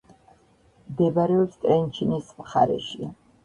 მდებარეობს ტრენჩინის მხარეში.